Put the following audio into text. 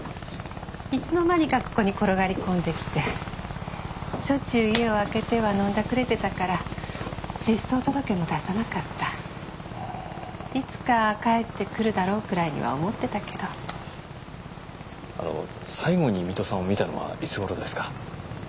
いつの間にかここに転がり込んできてしょっちゅう家を空けては飲んだくれてたから失踪届も出さなかったいつか帰ってくるだろうくらいには思ってたけどあの最後に水戸さんを見たのはいつごろですか？